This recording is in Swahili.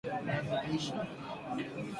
namna ya kupata mavuno mazuri ya viazi lishe